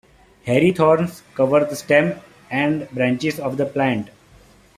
Hairy thorns cover the stem and branches of the plant.